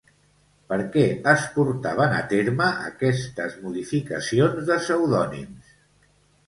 Per què es portaven a terme aquestes modificacions de pseudònims?